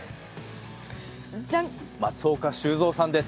松岡修造さんです！